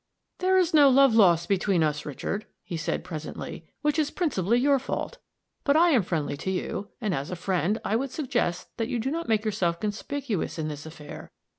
"There is no love lost between us, Richard," he said, presently, "which is principally your fault; but I am friendly to you; and as a friend, I would suggest that you do not make yourself conspicuous in this affair.